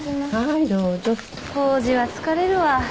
法事は疲れるわ。